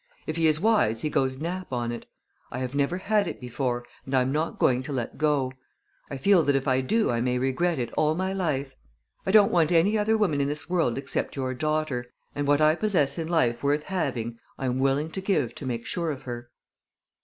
If he is wise he goes nap on it. I have never had it before and I am not going to let go. I feel that if I do I may regret it all my life. I don't want any other woman in this world except your daughter, and what I possess in life worth having I am willing to give to make sure of her."